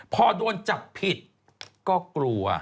พอโดนจับผิดก็กลัว